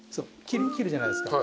切るじゃないですか。